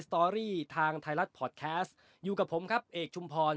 สตอรี่ทางไทยรัฐพอร์ตแคสต์อยู่กับผมครับเอกชุมพร